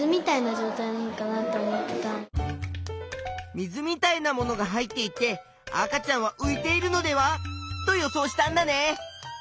水みたいなものが入っていて赤ちゃんは浮いているのではと予想したんだね。